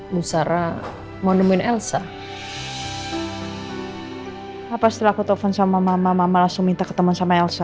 musara monemen elsa apa setelah aku telepon sama mama mama langsung minta ketemu sama elsa